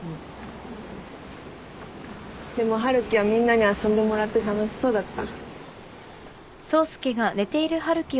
でも春樹はみんなに遊んでもらって楽しそうだった。